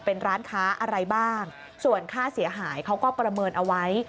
เป็นร้านค้าอะไรบ้างส่วนค่าเสียหายเขาก็ประเมินเอาไว้